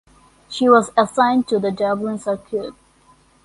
She was assigned to the Dublin circuit.